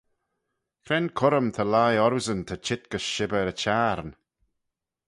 Cre'n currym ta lhie orroosyn ta çheet gys shibbyr y çhiarn?